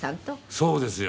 そうですよ！